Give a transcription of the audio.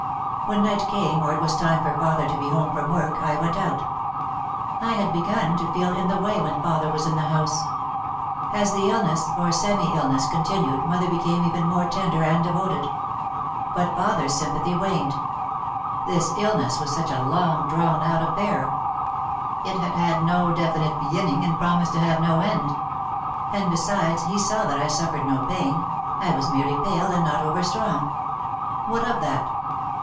When night came or it was time for father to be home from work, I went out. I had begun to feel in the way when father was in the house. As the illness or semi illness continued mother became even more tender and devoted. But father's sympathy waned. This illness was such a long, drawn out affair. It had had no definite beginning and promised to have no end. And besides, he saw that I suffered no pain, I was merely pale and not over strong. What of that?